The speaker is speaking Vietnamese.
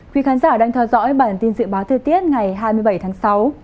quý khán giả đang theo dõi bản tin dự báo thời tiết ngày hai mươi bảy tháng sáu